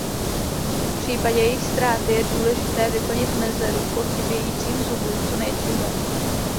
V případě jejich ztráty je důležité vyplnit mezeru po chybějícím zubu co nejdříve.